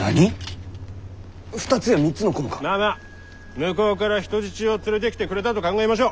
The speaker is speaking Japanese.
向こうから人質を連れてきてくれたと考えましょう。